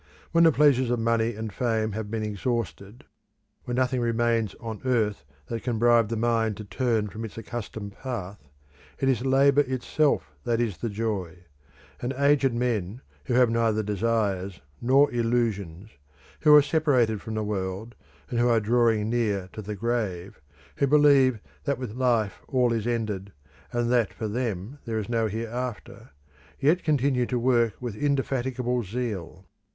When the pleasures of money and fame have been exhausted: when nothing remains on earth that can bribe the mind to turn from its accustomed path, it is labour itself that is the joy; and aged men who have neither desires, nor illusions, who are separated from the world, and who are drawing near to the grave, who believe that with life all is ended, and that for them there is no hereafter, yet continue to work with indefatigable zeal.